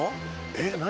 えっ何？